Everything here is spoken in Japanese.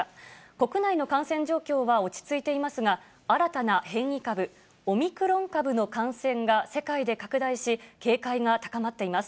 国内の感染状況は落ち着いていますが、新たな変異株、オミクロン株の感染が世界で拡大し、警戒が高まっています。